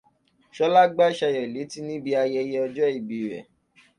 Ṣọlá gbá Ṣayọ̀ létí ní bi ayẹyẹ ọjọ́ ìbí rẹ̀.